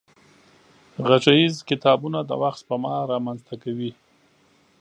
غږيز کتابونه د وخت سپما را منځ ته کوي.